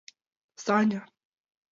— Саня...